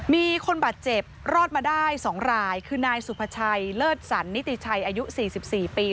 มีคนบาดเจ็บรอดมาได้๒รายคือนายสุภาชัยเลิศสันนิติชัยอายุ๔๔ปี